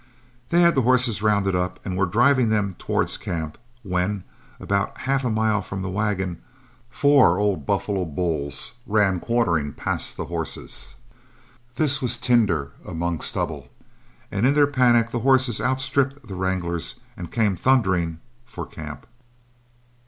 They had the horses rounded up and were driving them towards camp when, about half a mile from the wagon, four old buffalo bulls ran quartering past the horses. This was tinder among stubble, and in their panic the horses outstripped the wranglers and came thundering for camp.